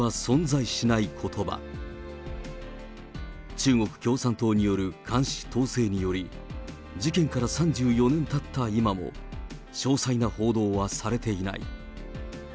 中国共産党による監視統制により、事件から３４年たった今も、詳細な報道はされていない。